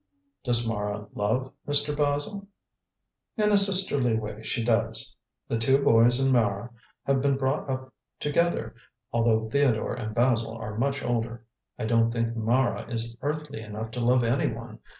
"Does Mara love Mr. Basil?" "In a sisterly way she does. The two boys and Mara have been brought up together, although Theodore and Basil are much older. I don't think Mara is earthly enough to love anyone.